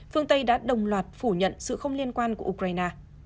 phương tây đã đồng loạt phủ nhận sự không liên quan của ukraine